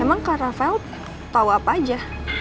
emang kak rafael tahu apa aja